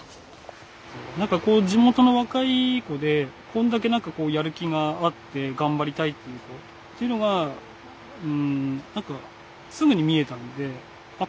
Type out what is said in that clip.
何かこう地元の若い子でこんだけ何かこうやる気があって頑張りたいっていう子っていうのがうん何かすぐに見えたんであ